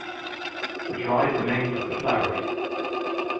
The dried remains of the flowers.